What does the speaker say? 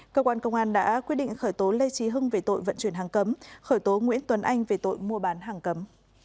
cơ quan công an đã quyết định khởi tố lê trí hưng về tội vận chuyển hàng cấm khởi tố nguyễn tuấn anh về tội mua bán hàng cấm